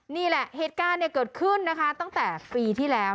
นี่แหละเหตุการณ์เกิดขึ้นนะคะตั้งแต่ปีที่แล้ว